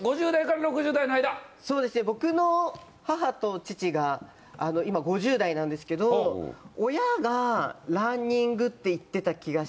僕の母と父が今５０代なんですけど親がランニングって言ってた気がして。